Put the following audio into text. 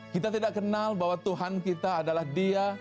kita tidak kenal bahwa tuhan kita adalah diri kita